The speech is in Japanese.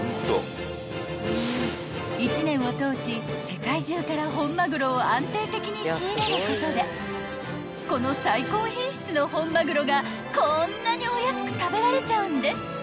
［１年を通し世界中から本マグロを安定的に仕入れることでこの最高品質の本マグロがこんなにお安く食べられちゃうんです］